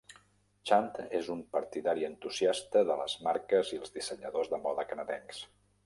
Chante és un partidari entusiasta de les marques i els dissenyadors de moda canadencs.